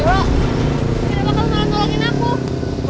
jawa kenapa kamu malah tolongin aku